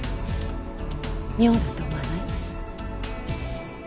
妙だと思わない？